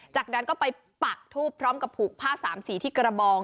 จากนั้นก็ไปปักทูบพร้อมกับผูกผ้าสามสีที่กระบอง